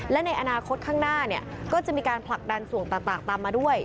และในอนาคตข้างหน้าก็จะมีการผลักดันส่วนต่างตามมาด้วย